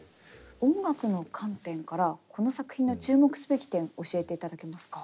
音楽の観点からこの作品の注目すべき点教えていただけますか？